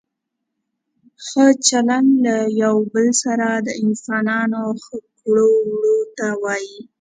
ښه چلند له یو بل سره د انسانانو ښو کړو وړو ته وايي.